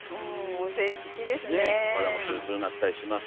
お肌もツルツルになったりしますから。